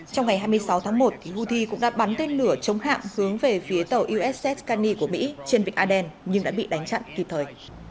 trong ngày hai mươi sáu tháng một houthi cũng đã bắn tên lửa chống hạm hướng về phía tàu uss caney của mỹ trên vịnh aden nhưng đã bị đánh chặn kịp thời